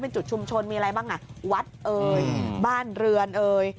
เป็นจุดชุมชนมีอะไรบ้างอ่ะวัดเอ่ยบ้านเรือนเอ่ย